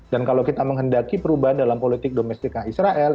dan kalau kita menghendaki perubahan dalam politik domestiknya israel